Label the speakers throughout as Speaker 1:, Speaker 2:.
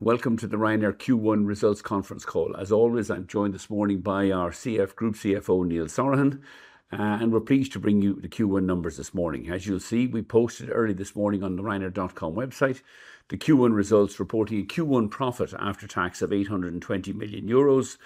Speaker 1: Welcome to the Ryanair Q1 results conference call. As always, I'm joined this morning by our Group CFO, Neil Sorahan, and we're pleased to bring you the Q1 numbers this morning. As you'll see, we posted early this morning on the ryanair.com website the Q1 results reporting a Q1 profit after tax of 820 million euros.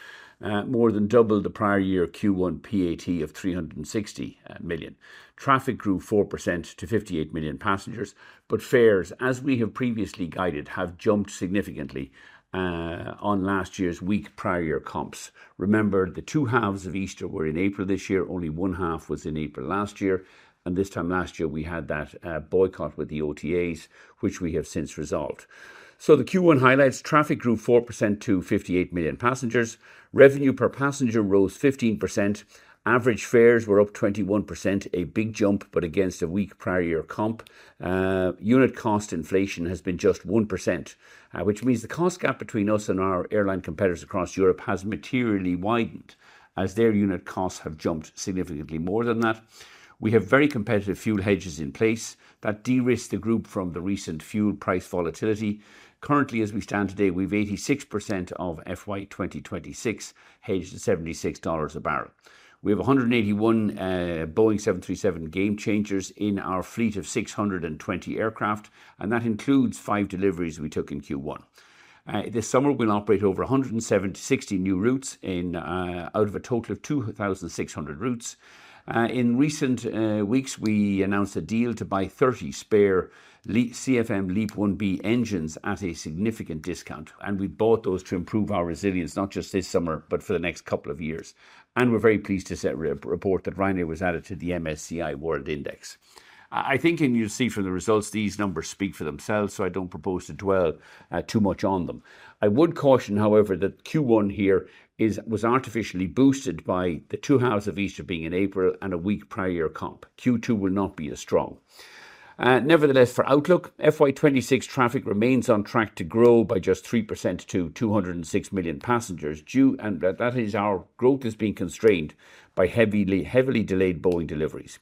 Speaker 1: More than double the prior year Q1 PAT of 360 million. Traffic grew 4% to 58 million passengers, but fares, as we have previously guided, have jumped significantly. On last year's weak prior year comps. Remember, the two halves of Easter were in April this year; only 1/2 was in April last year. This time last year, we had that boycott with the OTAs, which we have since resolved. The Q1 highlights: traffic grew 4% to 58 million passengers, revenue per passenger rose 15%, average fares were up 21%, a big jump, but against a weak prior year comp. Unit cost inflation has been just 1%, which means the cost gap between us and our airline competitors across Europe has materially widened as their unit costs have jumped significantly more than that. We have very competitive fuel hedges in place that de-risk the group from the recent fuel price volatility. Currently, as we stand today, we have 86% of FY 2026 hedged at $76 a barrel. We have 181 Boeing 737 Boeing 737-8200 in our fleet of 620 aircraft, and that includes five deliveries we took in Q1. This summer, we'll operate over 160 new routes out of a total of 2,600 routes. In recent weeks, we announced a deal to buy 30 spare CFM LEAP-1B engines at a significant discount, and we bought those to improve our resilience, not just this summer, but for the next couple of years. We're very pleased to report that Ryanair was added to the MSCI World Index. I think, and you'll see from the results, these numbers speak for themselves, so I don't propose to dwell too much on them. I would caution, however, that Q1 here was artificially boosted by the two halves of Easter being in April and a weak prior year comp. Q2 will not be as strong. Nevertheless, for outlook, FY 2026 traffic remains on track to grow by just 3% to 206 million passengers, and that is our growth is being constrained by heavily delayed Boeing deliveries.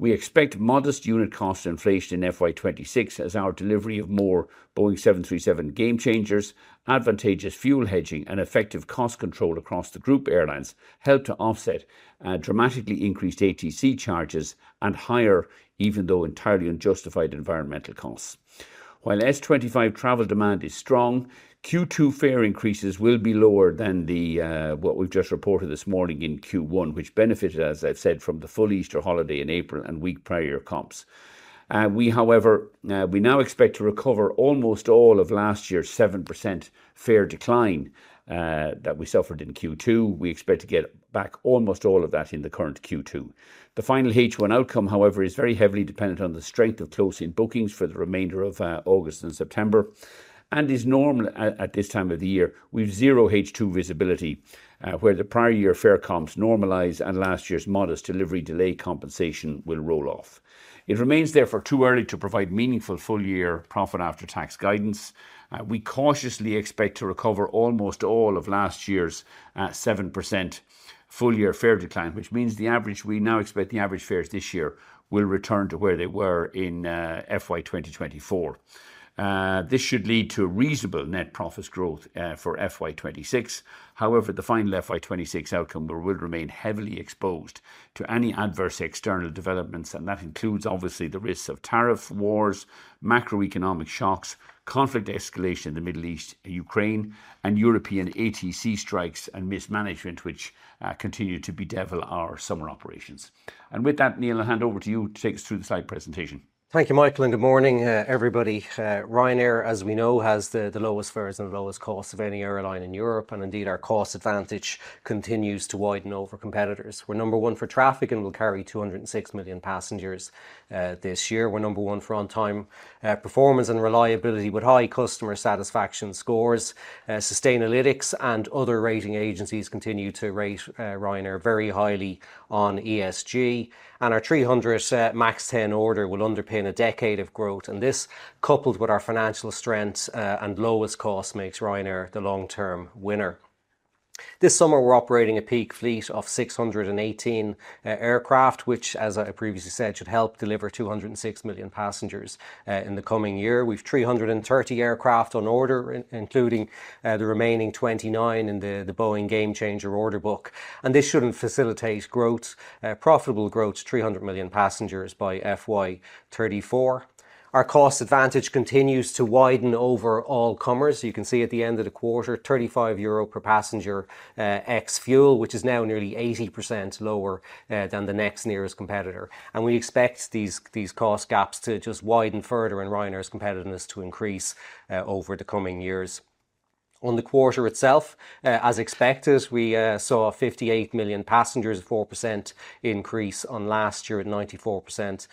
Speaker 1: We expect modest unit cost inflation in FY 2026 as our delivery of more Boeing 737 Boeing 737-8200, advantageous fuel hedging, and effective cost control across the group airlines help to offset dramatically increased ATC charges and higher, even though entirely unjustified, environmental costs. While S25 travel demand is strong, Q2 fare increases will be lower than what we've just reported this morning in Q1, which benefited, as I've said, from the full Easter holiday in April and weak prior year comps. We, however, now expect to recover almost all of last year's 7% fare decline. That we suffered in Q2. We expect to get back almost all of that in the current Q2. The final H1 outcome, however, is very heavily dependent on the strength of close-in bookings for the remainder of August and September. It is normal at this time of the year. We have zero H2 visibility where the prior year fare comps normalize, and last year's modest delivery delay compensation will roll off. It remains therefore too early to provide meaningful full year profit after tax guidance. We cautiously expect to recover almost all of last year's 7% full year fare decline, which means we now expect the average fares this year will return to where they were in FY 2024. This should lead to reasonable net profits growth for FY 2026. However, the final FY 2026 outcome will remain heavily exposed to any adverse external developments, and that includes, obviously, the risks of tariff wars, macroeconomic shocks, conflict escalation in the Middle East, Ukraine, and European ATC strikes and mismanagement, which continue to bedevil our summer operations. With that, Neil, I'll hand over to you to take us through the slide presentation.
Speaker 2: Thank you, Michael, and good morning, everybody. Ryanair, as we know, has the lowest fares and the lowest costs of any airline in Europe, and indeed our cost advantage continues to widen over competitors. We're number one for traffic and will carry 206 million passengers this year. We're number one for on-time performance and reliability with high customer satisfaction scores. Sustainalytics and other rating agencies continue to rate Ryanair very highly on ESG, and our 300 Boeing 737 MAX 10 order will underpin a decade of growth. This, coupled with our financial strength and lowest cost, makes Ryanair the long-term winner. This summer, we're operating a peak fleet of 618 aircraft, which, as I previously said, should help deliver 206 million passengers in the coming year. We have 330 aircraft on order, including the remaining 29 in the Boeing 737-8200 order book. This should facilitate profitable growth to 300 million passengers by FY 2034. Our cost advantage continues to widen over all comers. You can see at the end of the quarter, 35 euro per passenger ex fuel, which is now nearly 80% lower than the next nearest competitor. We expect these cost gaps to just widen further and Ryanair's competitiveness to increase over the coming years. On the quarter itself, as expected, we saw 58 million passengers, a 4% increase on last year at 94%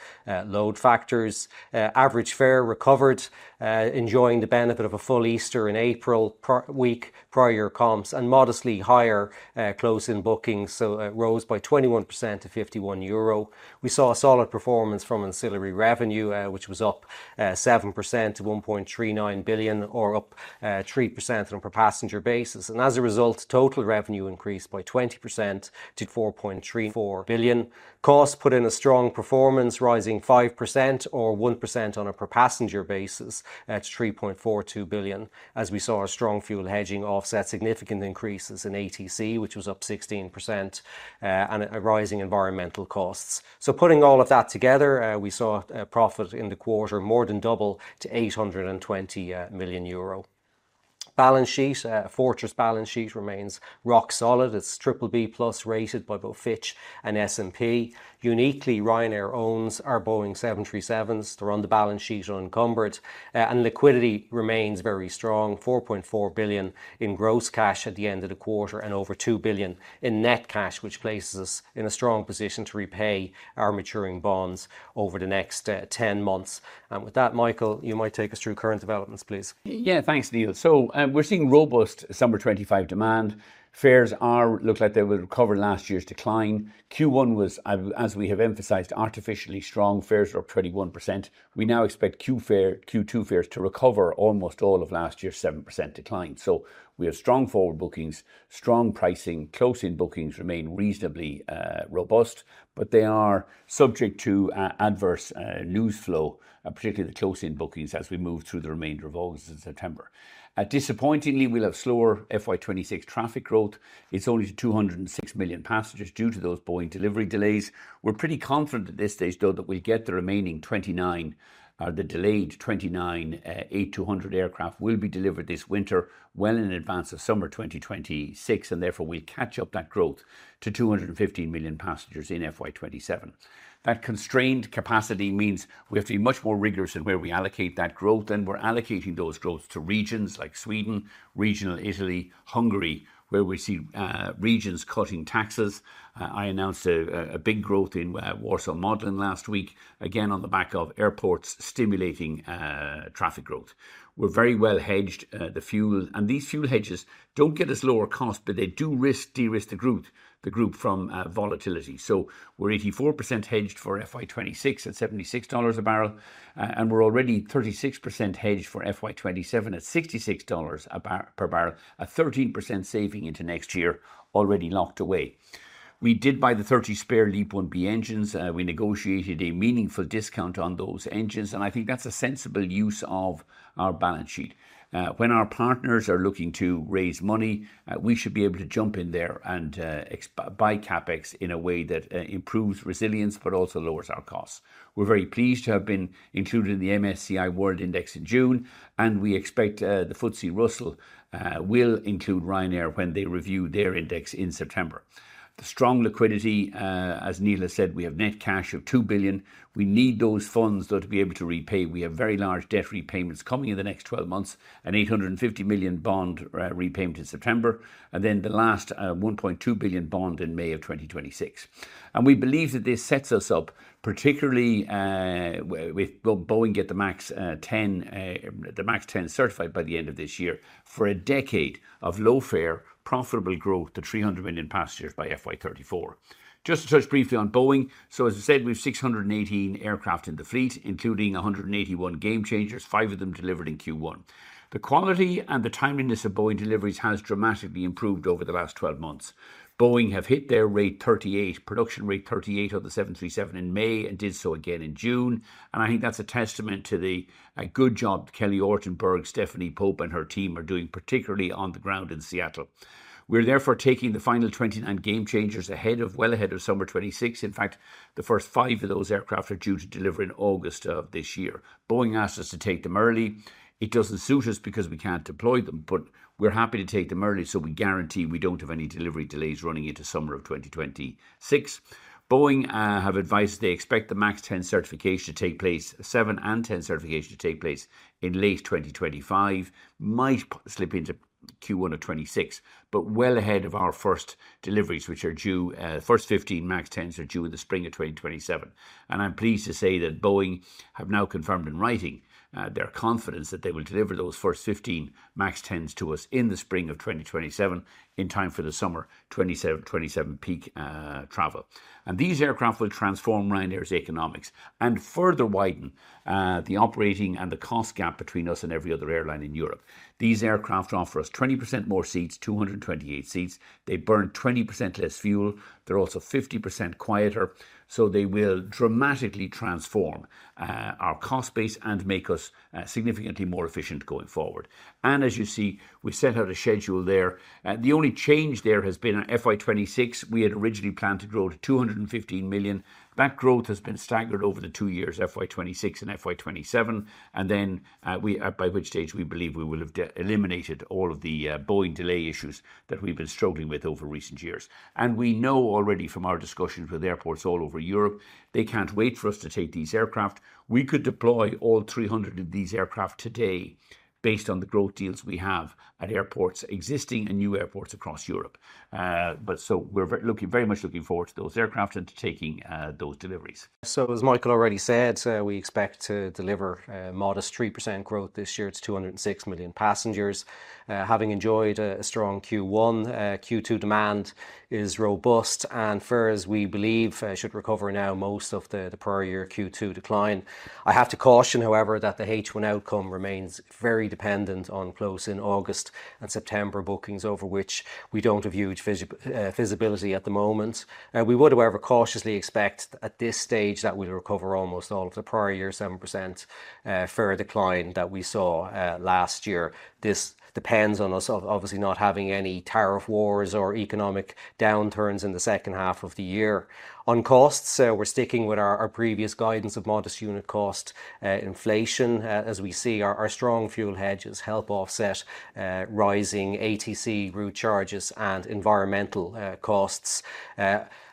Speaker 2: load factors. Average fare recovered, enjoying the benefit of a full Easter in April, weak prior year comps, and modestly higher close-in bookings, so it rose by 21% to 51 euro. We saw solid performance from ancillary revenue, which was up 7% to 1.39 billion, or up 3% on a per passenger basis. As a result, total revenue increased by 20% to 4.34 billion. Cost put in a strong performance, rising 5% or 1% on a per passenger basis to 3.42 billion, as we saw strong fuel hedging offset significant increases in ATC, which was up 16%, and rising environmental costs. Putting all of that together, we saw profit in the quarter more than double to 820 million euro. Balance sheet, Fortress balance sheet remains rock solid. It's BBB+ rated by both Fitch and S&P. Uniquely, Ryanair owns our Boeing 737s. They're on the balance sheet unencumbered, and liquidity remains very strong, 4.4 billion in gross cash at the end of the quarter and over 2 billion in net cash, which places us in a strong position to repay our maturing bonds over the next 10 months. With that, Michael, you might take us through current developments, please.
Speaker 3: Yeah, thanks, Neil. We're seeing robust summer 2025 demand. Fares look like they will recover last year's decline. Q1 was, as we have emphasized, artificially strong. Fares are up 21%. We now expect Q2 fares to recover almost all of last year's 7% decline. We have strong forward bookings, strong pricing, close-in bookings remain reasonably robust, but they are subject to adverse news flow, particularly the close-in bookings, as we move through the remainder of August and September. Disappointingly, we'll have slower FY 2026 traffic growth. It's only 206 million passengers due to those Boeing delivery delays. We're pretty confident at this stage, though, that we'll get the remaining 29, the delayed 29 A200 aircraft will be delivered this winter well in advance of summer 2026, and therefore we'll catch up that growth to 215 million passengers in FY 2027. That constrained capacity means we have to be much more rigorous in where we allocate that growth, and we're allocating those growths to regions like Sweden, regional Italy, Hungary, where we see regions cutting taxes. I announced a big growth in Warsaw Modlin last week, again on the back of airports stimulating traffic growth. We're very well hedged at the fuel, and these fuel hedges don't get us lower cost, but they do de-risk the group from volatility. We're 84% hedged for FY 2026 at $76 a barrel, and we're already 36% hedged for FY 2027 at $66 per barrel, a 13% saving into next year already locked away. We did buy the 30 spare CFM LEAP-1B engines. We negotiated a meaningful discount on those engines, and I think that's a sensible use of our balance sheet. When our partners are looking to raise money, we should be able to jump in there and buy CapEx in a way that improves resilience but also lowers our costs. We're very pleased to have been included in the MSCI World Index in June, and we expect the FTSE Russell will include Ryanair when they review their index in September. The strong liquidity, as Neil has said, we have net cash of 2 billion. We need those funds, though, to be able to repay. We have very large debt repayments coming in the next 12 months, an 850 million bond repayment in September, and then the last 1.2 billion bond in May of 2026. We believe that this sets us up particularly with Boeing getting the Boeing 737 MAX 10 certified by the end of this year for a decade of low fare, profitable growth to 300 million passengers by FY 2034. Just to touch briefly on Boeing, as I said, we have 618 aircraft in the fleet, including 181 Boeing 737 MAX 8200, five of them delivered in Q1. The quality and the timeliness of Boeing deliveries has dramatically improved over the last 12 months. Boeing have hit their rate 38, production rate 38 on the Boeing 737 in May and did so again in June. I think that's a testament to the good job Kelly [Ortberg], Stephanie Pope, and her team are doing, particularly on the ground in Seattle. We're therefore taking the final 29 Boeing 737 MAX 8200 ahead, well ahead of summer 2026. In fact, the first five of those aircraft are due to deliver in August of this year. Boeing asked us to take them early. It doesn't suit us because we can't deploy them, but we're happy to take them early so we guarantee we don't have any delivery delays running into summer of 2026. Boeing have advised they expect the Boeing 737 MAX 10 certification to take place, 7 and 10 certification to take place in late 2025. Might slip into Q1 of 2026, but well ahead of our first deliveries, which are due, first 15 Boeing 737 MAX 10s are due in the spring of 2027. I'm pleased to say that Boeing have now confirmed in writing their confidence that they will deliver those first 15 Boeing 737 MAX 10s to us in the spring of 2027 in time for the summer 2027 peak travel. These aircraft will transform Ryanair's economics and further widen the operating and the cost gap between us and every other airline in Europe. These aircraft offer us 20% more seats, 228 seats. They burn 20% less fuel. They're also 50% quieter, so they will dramatically transform our cost base and make us significantly more efficient going forward. As you see, we set out a schedule there. The only change there has been FY 2026. We had originally planned to grow to 215 million. That growth has been staggered over the two years, FY 2026 and FY 2027. By which stage, we believe we will have eliminated all of the Boeing delay issues that we've been struggling with over recent years. We know already from our discussions with airports all over Europe, they can't wait for us to take these aircraft. We could deploy all 300 of these aircraft today based on the growth deals we have at airports, existing and new airports across Europe. We are very much looking forward to those aircraft and to taking those deliveries.
Speaker 2: As Michael already said, we expect to deliver modest 3% growth this year to 206 million passengers. Having enjoyed a strong Q1, Q2 demand is robust and, for as we believe, should recover now most of the prior year Q2 decline. I have to caution, however, that the H1 outcome remains very dependent on close-in August and September bookings, over which we do not have huge visibility at the moment. We would, however, cautiously expect at this stage that we recover almost all of the prior year 7% further decline that we saw last year. This depends on us obviously not having any tariff wars or economic downturns in the second half of the year. On costs, we are sticking with our previous guidance of modest unit cost inflation. As we see, our strong fuel hedges help offset rising ATC route charges and environmental costs.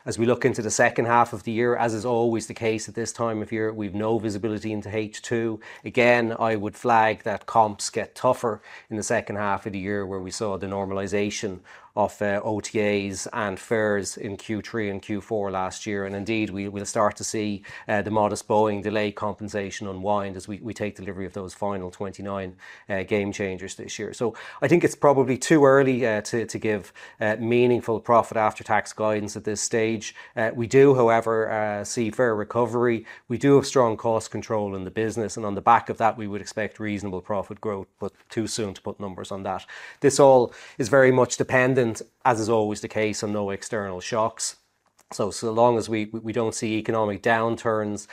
Speaker 2: As we look into the second half of the year, as is always the case at this time of year, we have no visibility into H2. Again, I would flag that comps get tougher in the second half of the year where we saw the normalization of OTAs and fares in Q3 and Q4 last year. Indeed, we will start to see the modest Boeing delay compensation unwind as we take delivery of those final 29 Boeing 737 MAX 8200 this year. I think it is probably too early to give meaningful profit after tax guidance at this stage. We do, however, see fare recovery. We do have strong cost control in the business, and on the back of that, we would expect reasonable profit growth, but it is too soon to put numbers on that. This all is very much dependent, as is always the case, on no external shocks. As long as we do not see economic downturns,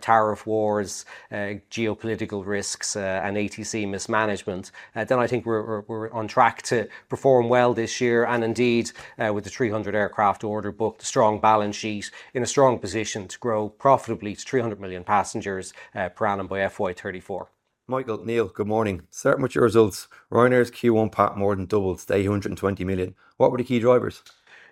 Speaker 2: tariff wars, geopolitical risks, and ATC mismanagement, then I think we are on track to perform well this year. Indeed, with the 300 aircraft order book, the strong balance sheet, in a strong position to grow profitably to 300 million passengers per annum by FY 2034. Michael, Neil, good morning. Certain materials, Ryanair's Q1 pattern more than doubled, staying 120 million. What were the key drivers?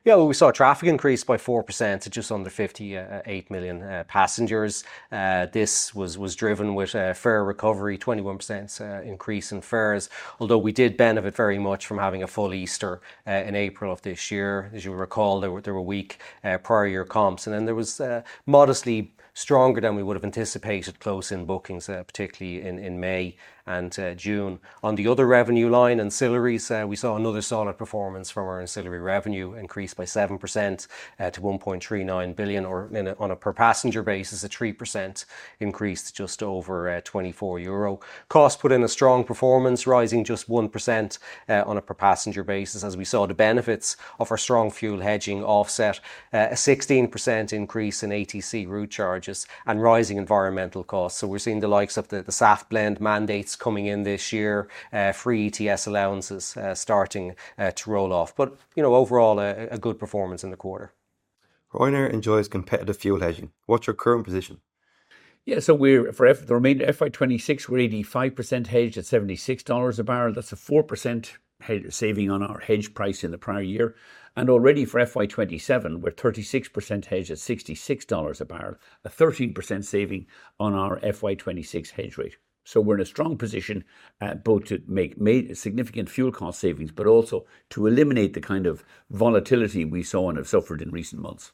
Speaker 2: Yeah, we saw traffic increase by 4% to just under 58 million passengers. This was driven with fare recovery, 21% increase in fares, although we did benefit very much from having a full Easter in April of this year. As you'll recall, there were weak prior year comps, and then there was modestly stronger than we would have anticipated close-in bookings, particularly in May and June. On the other revenue line, ancillaries, we saw another solid performance from our ancillary revenue increase by 7% to 1.39 billion, or on a per passenger basis, a 3% increase to just over 24 euro. Cost put in a strong performance, rising just 1% on a per passenger basis, as we saw the benefits of our strong fuel hedging offset, a 16% increase in ATC route charges, and rising environmental costs. We are seeing the likes of the SAF blend mandates coming in this year, free ETS allowances starting to roll off. Overall, a good performance in the quarter. Ryanair enjoys competitive fuel hedging. What's your current position?
Speaker 3: Yeah, for the remainder of FY 2026, we're 85% hedged at $76 a barrel. That's a 4% saving on our hedge price in the prior year. Already for FY 2027, we're 36% hedged at $66 a barrel, a 13% saving on our FY 2026 hedge rate. We're in a strong position both to make significant fuel cost savings, but also to eliminate the kind of volatility we saw and have suffered in recent months.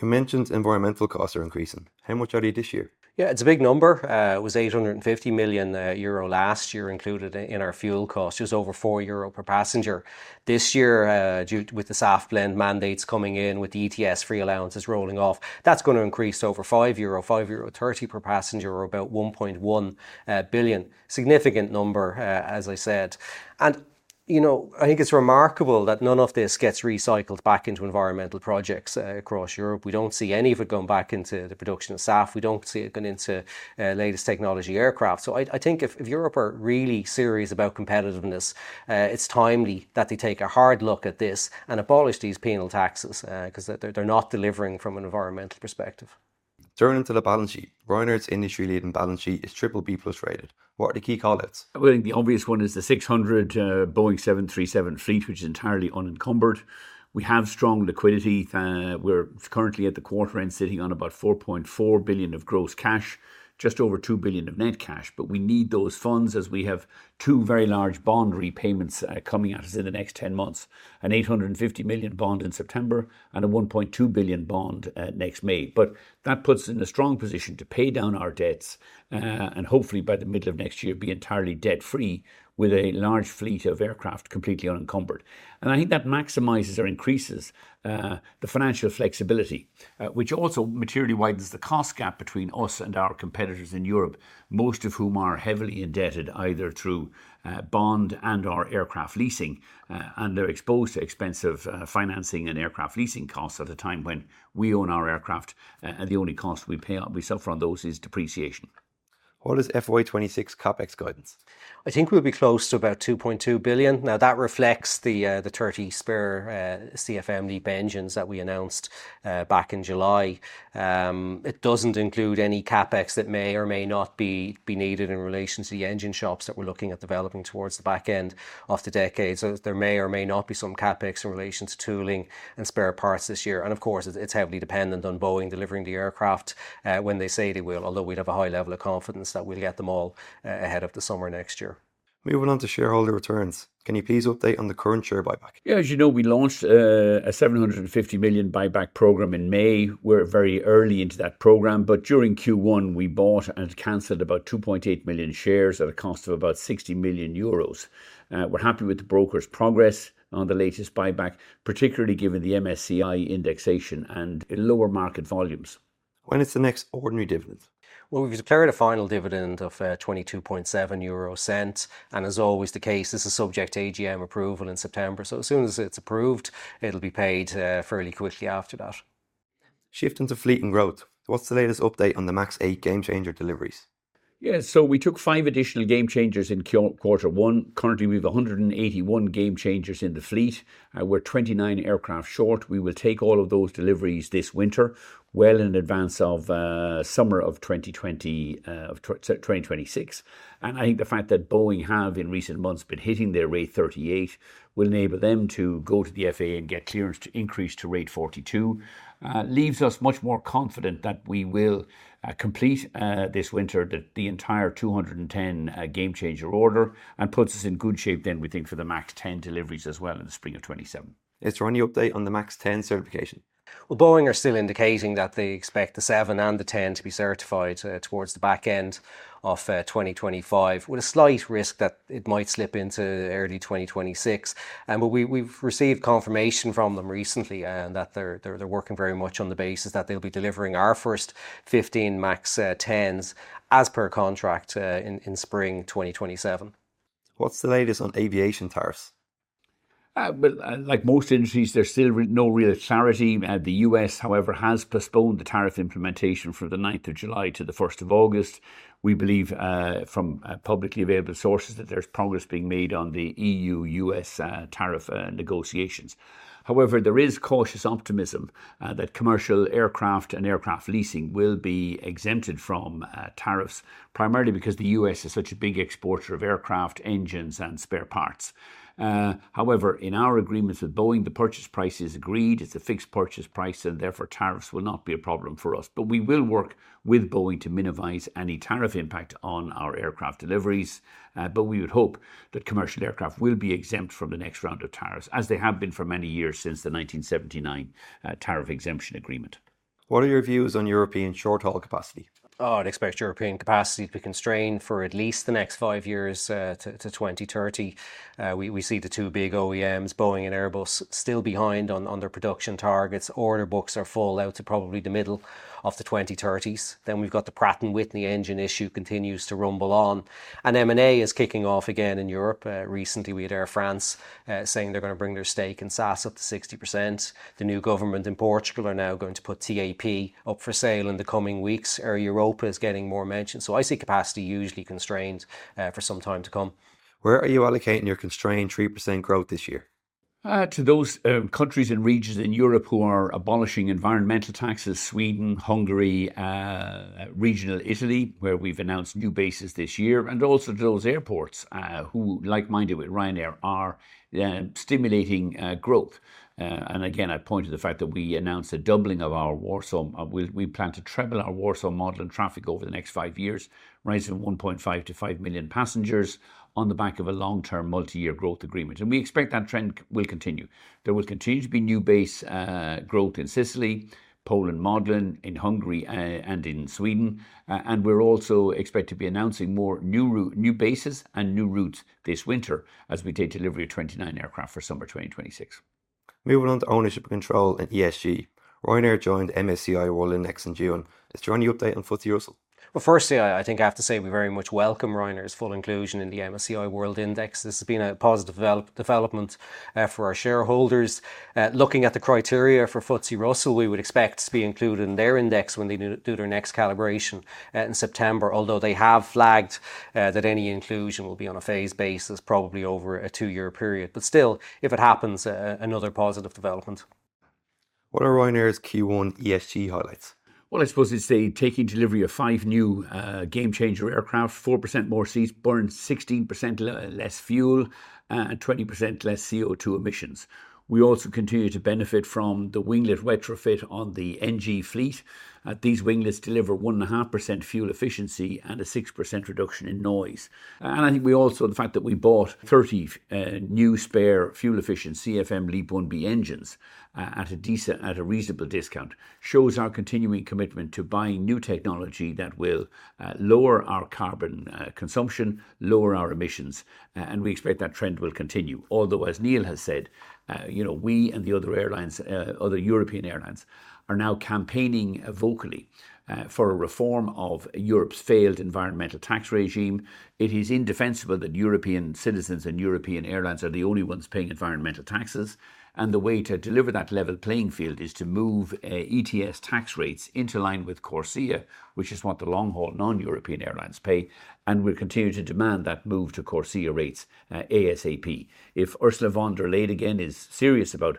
Speaker 3: You mentioned environmental costs are increasing. How much are they this year?
Speaker 2: Yeah, it's a big number. It was 850 million euro last year included in our fuel cost, just over 4 euro per passenger. This year, with the SAF blend mandates coming in, with the ETS free allowances rolling off, that's going to increase to over 5 euro, 5.30 euro per passenger, or about 1.1 billion. Significant number, as I said. You know I think it's remarkable that none of this gets recycled back into environmental projects across Europe. We don't see any of it going back into the production of SAF. We don't see it going into latest technology aircraft. I think if Europe are really serious about competitiveness, it's timely that they take a hard look at this and abolish these penal taxes because they're not delivering from an environmental perspective. Turning to the balance sheet, Ryanair's industry-leading balance sheet is BBB+ rated. What are the key collets?
Speaker 3: I think the obvious one is the 600 Boeing 737 fleet, which is entirely unencumbered. We have strong liquidity. We're currently at the quarter end, sitting on about 4.4 billion of gross cash, just over 2 billion of net cash. We need those funds as we have two very large bond repayments coming at us in the next 10 months, an 850 million bond in September and an 1.2 billion bond next May. That puts us in a strong position to pay down our debts and hopefully by the middle of next year be entirely debt-free with a large fleet of aircraft completely unencumbered. I think that maximizes or increases the financial flexibility, which also materially widens the cost gap between us and our competitors in Europe, most of whom are heavily indebted either through bond and aircraft leasing, and they're exposed to expensive financing and aircraft leasing costs at a time when we own our aircraft. The only cost we pay up, we suffer on those is depreciation. What is FY 2026 CapEx guidance?
Speaker 2: I think we'll be close to about 2.2 billion. Now, that reflects the 30 spare CFM LEAP-1B engines that we announced back in July. It doesn't include any CapEx that may or may not be needed in relation to the engine shops that we're looking at developing towards the back end of the decade. There may or may not be some CapEx in relation to tooling and spare parts this year. Of course, it's heavily dependent on Boeing delivering the aircraft when they say they will, although we'd have a high level of confidence that we'll get them all ahead of the summer next year. Moving on to shareholder returns. Can you please update on the current share buyback?
Speaker 3: Yeah, as you know, we launched a 750 million buyback program in May. We're very early into that program, but during Q1, we bought and canceled about 2.8 million shares at a cost of about 60 million euros. We're happy with the broker's progress on the latest buyback, particularly given the MSCI indexation and lower market volumes. When is the next ordinary dividend?
Speaker 2: We have declared a final dividend of EUR 22.70, and as always the case, this is subject to AGM approval in September. As soon as it is approved, it will be paid fairly quickly after that. Shifting to fleet and growth. What's the latest update on the 737 MAX 8-200 deliveries?
Speaker 3: Yeah, so we took five additional Boeing 737 MAX 8200 in quarter one. Currently, we have 181 Boeing 737 MAX 8200 in the fleet. We're 29 aircraft short. We will take all of those deliveries this winter, well in advance of summer of 2026. I think the fact that Boeing have in recent months been hitting their rate 38 will enable them to go to the FAA and get clearance to increase to rate 42. Leaves us much more confident that we will complete this winter the entire 210 Boeing 737-8200 MAX order and puts us in good shape then, we think, for the Boeing 737 MAX 10 deliveries as well in the spring of 2027. Is there any update on the Boeing 737 MAX 10 certification?
Speaker 2: Boeing are still indicating that they expect the 7 and the 10 to be certified towards the back end of 2025, with a slight risk that it might slip into early 2026. We have received confirmation from them recently that they are working very much on the basis that they will be delivering our first 15 Boeing 737 MAX 10s as per contract in spring 2027. What's the latest on aviation tariffs?
Speaker 3: Like most industries, there's still no real clarity. The U.S., however, has postponed the tariff implementation from the 9th of July to the 1st of August. We believe from publicly available sources that there's progress being made on the EU-U.S. tariff negotiations. However, there is cautious optimism that commercial aircraft and aircraft leasing will be exempted from tariffs, primarily because the U.S. is such a big exporter of aircraft engines and spare parts. However, in our agreements with Boeing, the purchase price is agreed. It's a fixed purchase price, and therefore tariffs will not be a problem for us. We will work with Boeing to minimize any tariff impact on our aircraft deliveries. We would hope that commercial aircraft will be exempt from the next round of tariffs, as they have been for many years since the 1979 tariff exemption agreement. What are your views on European short haul capacity?
Speaker 2: I'd expect European capacity to be constrained for at least the next five years to 2030. We see the two big OEMs, Boeing and Airbus, still behind on their production targets. Order books are full out to probably the middle of the 2030s. We have the Pratt & Whitney engine issue continues to rumble on. M&A is kicking off again in Europe. Recently, we had AIRFRANCE saying they're going to bring their stake in SAS up to 60%. The new government in Portugal are now going to put TAP up for sale in the coming weeks. Air Europa is getting more mention. I see capacity usually constrained for some time to come. Where are you allocating your constrained 3% growth this year?
Speaker 3: To those countries and regions in Europe who are abolishing environmental taxes, Sweden, Hungary. Regional Italy, where we've announced new bases this year, and also to those airports who, like-minded with Ryanair, are stimulating growth. I point to the fact that we announced a doubling of our Warsaw. We plan to treble our Warsaw Modlin traffic over the next five years, rising 1.5 to 5 million passengers on the back of a long-term multi-year growth agreement. We expect that trend will continue. There will continue to be new base growth in Sicily, Poland, Modlin, in Hungary, and in Sweden. We're also expected to be announcing more new bases and new routes this winter as we take delivery of 29 aircraft for summer 2026. Moving on to ownership control and ESG. Ryanair joined MSCI World Index in June. Is there any update on FTSE Russell?
Speaker 2: Firstly, I think I have to say we very much welcome Ryanair's full inclusion in the MSCI World Index. This has been a positive development for our shareholders. Looking at the criteria for FTSE Russell, we would expect to be included in their index when they do their next calibration in September, although they have flagged that any inclusion will be on a phased basis, probably over a two-year period. Still, if it happens, another positive development. What are Ryanair's Q1 ESG highlights?
Speaker 3: I suppose it's the taking delivery of five new Boeing 737-8200, 4% more seats, burn 16% less fuel, and 20% less CO2 emissions. We also continue to benefit from the winglet retrofit on the NG fleet. These winglets deliver 1.5% fuel efficiency and a 6% reduction in noise. I think we also, the fact that we bought 30 new spare fuel-efficient CFM LEAP-1B engines at a reasonable discount shows our continuing commitment to buying new technology that will lower our carbon consumption, lower our emissions. We expect that trend will continue. Although, as Neil has said, you know we and the other European airlines are now campaigning vocally for a reform of Europe's failed environmental tax regime. It is indefensible that European citizens and European airlines are the only ones paying environmental taxes. The way to deliver that level playing field is to move ETS tax rates into line with CORSIA, which is what the long-haul non-European airlines pay. We're continuing to demand that move to CORSIA rates ASAP. If Ursula von der Leyen again is serious about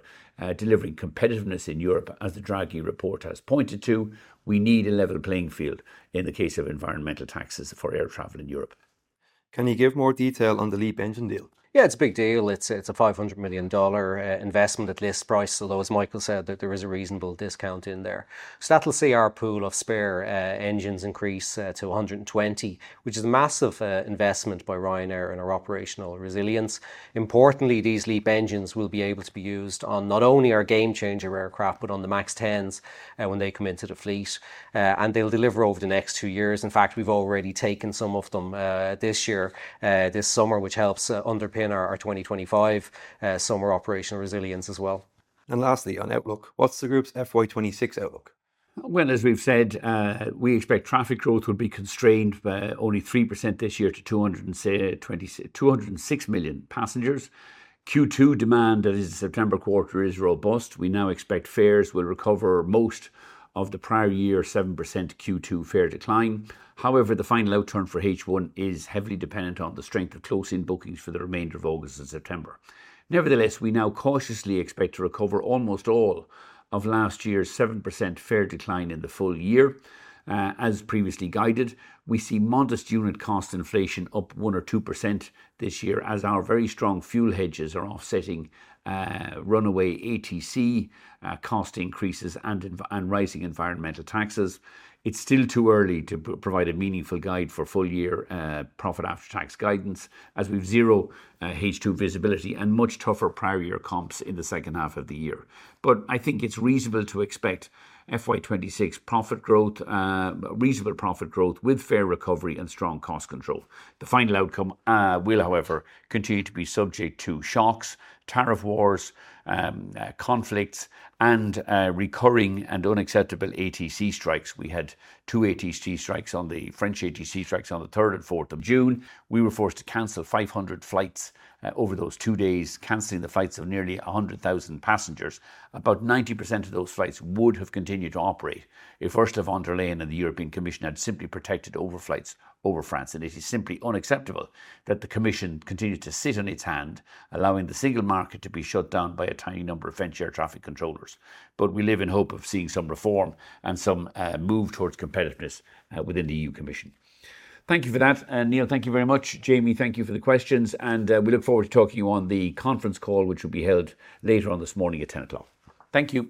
Speaker 3: delivering competitiveness in Europe, as the Draghi report has pointed to, we need a level playing field in the case of environmental taxes for air travel in Europe. Can you give more detail on the LEAP engine deal?
Speaker 2: Yeah, it's a big deal. It's a $500 million investment at list price, although, as Michael said, there is a reasonable discount in there. That will see our pool of spare engines increase to 120, which is a massive investment by Ryanair in our operational resilience. Importantly, these LEAP engines will be able to be used on not only our Boeing 737-8200, but on the Boeing 737 MAX 10s when they come into the fleet. They will deliver over the next two years. In fact, we've already taken some of them this year, this summer, which helps underpin our 2025 summer operational resilience as well. Lastly, on outlook, what's the group's FY 2026 outlook?
Speaker 3: As we have said, we expect traffic growth would be constrained by only 3% this year to 206 million passengers. Q2 demand, that is the September quarter, is robust. We now expect fares will recover most of the prior year's 7% Q2 fare decline. However, the final outturn for H1 is heavily dependent on the strength of close-in bookings for the remainder of August and September. Nevertheless, we now cautiously expect to recover almost all of last year's 7% fare decline in the full year. As previously guided, we see modest unit cost inflation up 1%-2% this year as our very strong fuel hedges are offsetting runaway ATC cost increases and rising environmental taxes. It is still too early to provide a meaningful guide for full-year profit after tax guidance as we have zero H2 visibility and much tougher prior year comps in the second half of the year. I think it is reasonable to expect FY 2026 profit growth, reasonable profit growth with fare recovery and strong cost control. The final outcome will, however, continue to be subject to shocks, tariff wars, conflicts, and recurring and unacceptable ATC strikes. We had two ATC strikes, the French ATC strikes on the 3rd and 4th of June. We were forced to cancel 500 flights over those two days, canceling the flights of nearly 100,000 passengers. About 90% of those flights would have continued to operate if Ursula von der Leyen and the European Commission had simply protected overflights over France. It is simply unacceptable that the Commission continues to sit on its hand, allowing the single market to be shut down by a tiny number of French Air Traffic Controllers. We live in hope of seeing some reform and some move towards competitiveness within the EU Commission.
Speaker 1: Thank you for that. Neil, thank you very much. Jamie, thank you for the questions. We look forward to talking to you on the conference call, which will be held later on this morning at 10:00 A.M. Thank you.